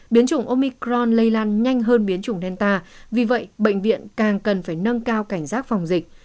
biến chủng omicron lây lan nhanh hơn biến chủng delta vì vậy bệnh viện càng cần phải nâng cao cảnh giác phòng dịch